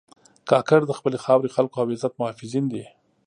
کاکړ د خپلې خاورې، خلکو او عزت محافظین دي.